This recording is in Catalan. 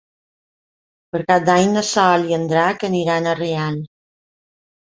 Per Cap d'Any na Sol i en Drac aniran a Real.